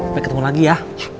baik ketemu lagi ya